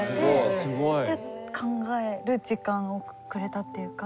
で考える時間をくれたっていうか。